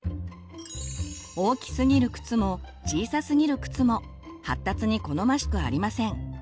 大きすぎる靴も小さすぎる靴も発達に好ましくありません。